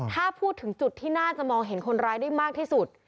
ถ้าพูดถึงจุดที่น่าจะมองเห็นคนร้ายได้มากที่สุด